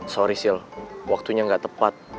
sorry sil waktunya ga tepat